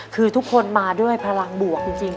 คือทุกคนมาด้วยพลังบวกจริง